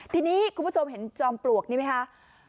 ทีนี้คุณผู้ชมเห็นจอมปลวกนี่ไหมคะ